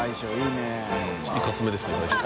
いかつめですね大将。